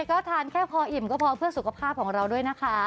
ก็ทานแค่พออิ่มก็พอเพื่อสุขภาพของเราด้วยนะคะ